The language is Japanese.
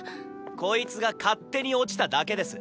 こいつが勝手に落ちただけです。